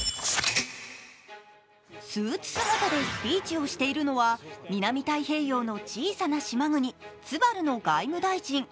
スーツ姿でスピーチをしているのは南太平洋の小さな島国・ツバルの外務大臣。